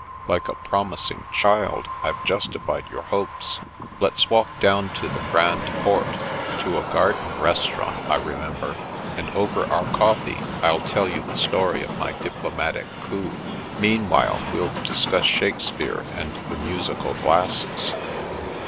" Like a promising child, I Ve justified your hopes. Let's walk down to the Grand Port, to a garden res taurant I remember ; and over our coffee, I'll tell you the story of my diplomatic coup. Meanwhile, we'll discuss Shakespeare and the musical glasses."